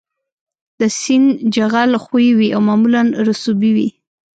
د سیند جغل ښوی وي او معمولاً رسوبي وي